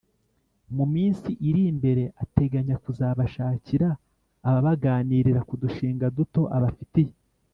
mu minsi iri imbere ateganya kuzabashakira ababaganirira ku dushinga duto abafitiye